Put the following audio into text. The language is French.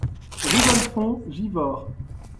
Rue Bonnefond, Givors